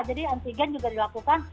jadi antigen juga dilakukan